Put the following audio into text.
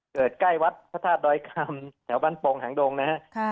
เกิดใกล้วัดพระธาตุโดยคำแถวบ้านโปรงหางดงนะครับ